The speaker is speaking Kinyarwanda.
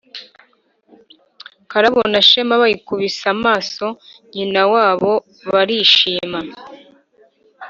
karabo na shema bayikubise amaso nyina w abo barishima